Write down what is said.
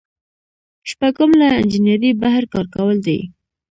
شپږم له انجنیری بهر کار کول دي.